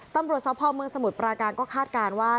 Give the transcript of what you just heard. ตำรวจสภเมืองสมุทรปราการก็คาดการณ์ว่า